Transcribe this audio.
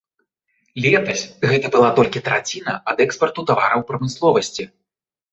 Летась гэта была толькі траціна ад экспарту тавараў прамысловасці.